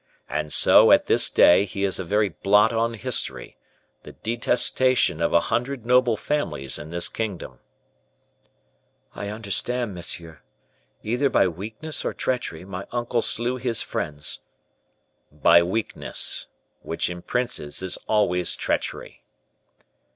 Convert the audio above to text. And so, at this day, he is a very blot on history, the detestation of a hundred noble families in this kingdom." "I understand, monsieur; either by weakness or treachery, my uncle slew his friends." "By weakness; which, in princes, is always treachery."